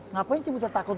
ngapain cibutet takut